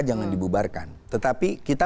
jangan dibubarkan tetapi kita